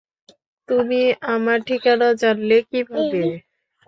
তুমি আমার ঠিকানা জানলে কীভাবে?